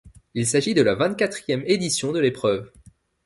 Il s'agit de la vingt-quatrième édition de l'épreuve.